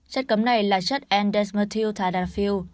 chất cấm này là chất endesmethyl tadalafil